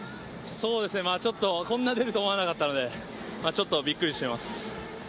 そうですね、こんな出ると思わなかったので、ちょっとびっくりしています。